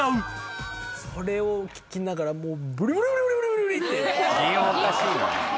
それを聞きながらもう。